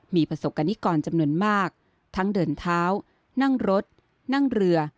มีประสบกรณิกรจำนวนมากทั้งเดินเท้านั่งรถนั่งเรือ